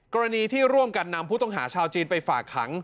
กรณีที่ร่วมกันนำผู้ต้องหาชาวจีนไปฝากขัง